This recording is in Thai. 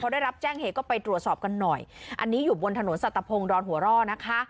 ได้รับแจ้งเหตุก็ไปตรวจสอบกันหน่อยอันนี้อยู่บนถนนสัตวพงศ์ดอนหัวร่อนะคะ